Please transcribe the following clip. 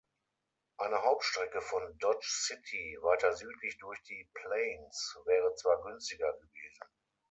Eine Hauptstrecke von Dodge City weiter südlich durch die Plains wäre zwar günstiger gewesen.